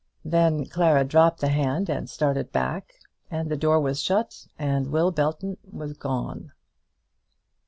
Then Clara dropped the hand and started back, and the door was shut, and Will Belton was gone.